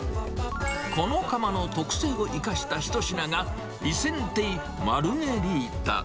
この窯の特性を生かした一品が、イセンテイマルゲリータ。